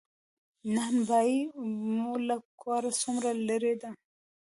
نان بایی مو له کوره څومره لری ده؟